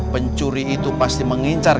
pencuri itu pasti mengincar